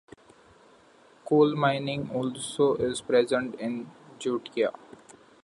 Coal mining also is present in Jiutai.